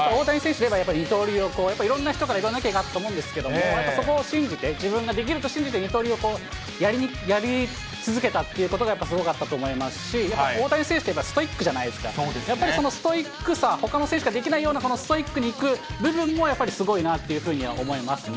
大谷選手でいえば二刀流をやっぱりいろんな人からいろんな意見を聞くことがあったと思うんですけど、やっぱりそこを信じて、自分ができると信じて、二刀流をやりつづけたというところがやっぱりすごいと思いましたし、大谷選手といえばストイックじゃないですか、やっぱりそのストイックさ、ほかの選手ができないそのストイックな部分もやっぱりすごいなというふうには思いますね。